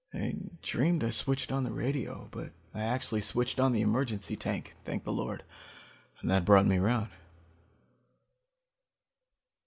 I dreamed I switched on the radio, but I actually switched on the emergency tank, thank the Lord, and that brought me round.